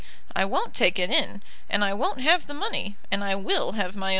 I won't take it in, and I won't have the money, and I will have my own way.